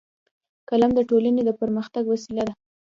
قلم د ټولنې د پرمختګ وسیله ده